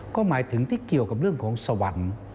ก็หมายถึงที่เกี่ยวกับเรื่องของสวรรค์